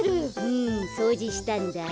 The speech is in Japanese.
うんそうじしたんだ。